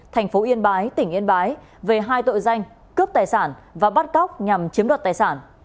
thành phố yên bái tỉnh yên bái về hai tội danh cướp tài sản và bắt cóc nhằm chiếm đoạt tài sản